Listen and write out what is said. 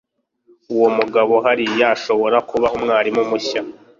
Uwo mugabo hariya ashobora kuba umwarimu mushya.